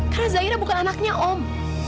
karena zahira bukan anaknya om